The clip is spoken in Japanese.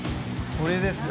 これですよ。